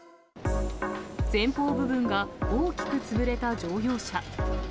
前方部分が大きく潰れた乗用車。